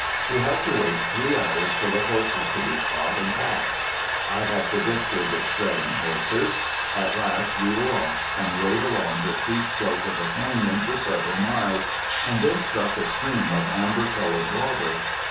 We had to wait three hours for the horses to be caught and packed. I had predicted straying horses. At last we were off, and rode along the steep slope of a canyon for several miles, and then struck a stream of amber colored water.